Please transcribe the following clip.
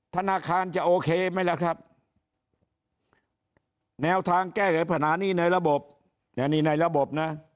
ธนาคารจะโอเคไหมล่ะครับแนวทางแก้ไขปัญหานี่ในระบบอันนี้ในระบบนะ